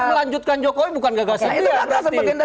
melanjutkan jokowi bukan gagasan